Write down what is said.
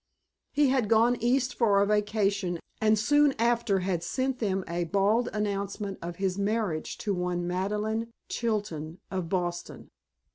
He had gone East for a vacation, and soon after had sent them a bald announcement of his marriage to one Madeleine Chilton of Boston.